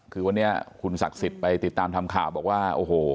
คือวันนี้คุณศักดิ์สิทธิ์ไปติดตามทำข่าวบอกว่าโอ้โห